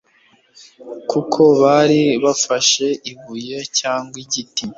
kuko bari bafashe ibuye cyangwa igiti